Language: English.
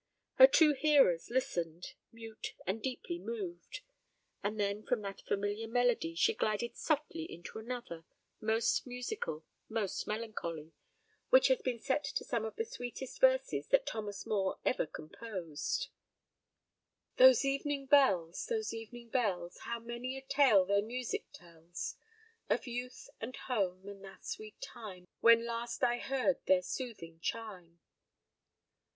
Her two hearers listened, mute and deeply moved. And then from that familiar melody she glided softly into another, most musical, most melancholy, which has been set to some of the sweetest verses that Thomas Moore ever composed: "Those evening bells, those evening bells! How many a tale their music tells Of youth and home, and that sweet time When last I heard their soothing chime!"